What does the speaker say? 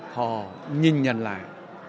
họ nhìn nhận lại